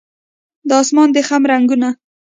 د اسمان د خم رنګونه